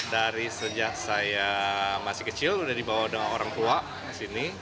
dari sejak saya masih kecil udah dibawa dengan orang tua ke sini